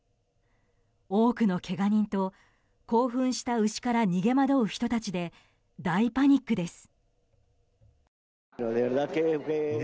多くのけが人と興奮した牛から逃げ惑う人たちで大パニックです。